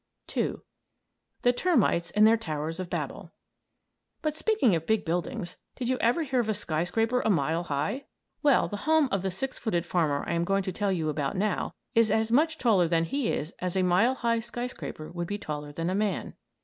II. THE TERMITES AND THEIR TOWERS OF BABEL But speaking of big buildings, did you ever hear of a skyscraper a mile high? Well the home of the six footed farmer I am going to tell you about now is as much taller than he is as a mile high skyscraper would be taller than a man.